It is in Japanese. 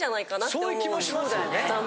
そういう気もしますよね。